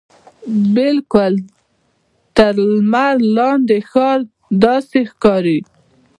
بالکل تر لمر لاندې ښار داسې ښکاري.